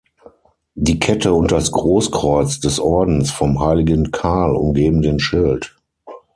Die Kette und das Großkreuz des Ordens vom Heiligen Karl umgeben den Schild.